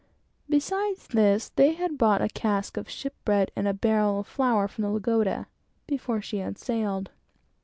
Besides this, they had bought a cask of ship bread, and a barrel of flour from the Lagoda, before she sailed.